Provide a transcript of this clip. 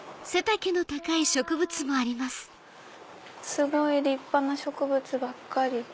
すごい立派な植物ばっかり。